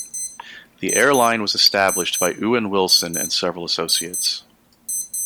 The airline was established by Ewan Wilson and several associates.